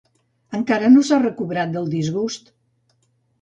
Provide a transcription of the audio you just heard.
Encara no s'ha recobrat del disgust.